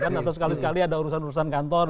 kan atau sekali sekali ada urusan urusan kantor